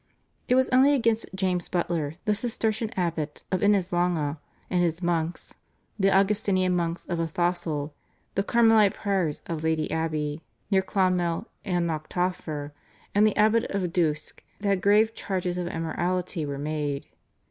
It was only against James Butler, the Cistercian abbot of Inislonagh and his monks, the Augustinian monks of Athassel, the Carmelite priors of Lady Abbey near Clonmel and Knocktopher, and the abbot of Duisk that grave charges of immorality were made.